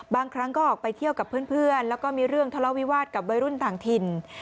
บางครั้งก็ออกไปเที่ยวกับเพื่อนแล้วก็มีเรื่องทะเลาวิวาสกับวัยรุ่นต่างถิ่น